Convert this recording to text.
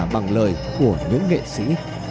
bằng lời của những nghệ sĩ